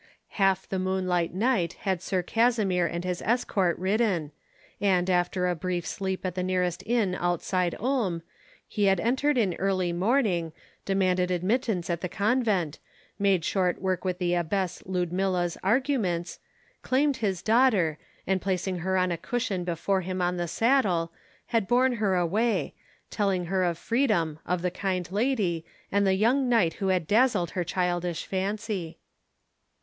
Half the moonlight night had Sir Kasimir and his escort ridden; and, after a brief sleep at the nearest inn outside Ulm, he had entered in early morning, demanded admittance at the convent, made short work with the Abbess Ludmilla's arguments, claimed his daughter, and placing her on a cushion before him on his saddle, had borne her away, telling her of freedom, of the kind lady, and the young knight who had dazzled her childish fancy.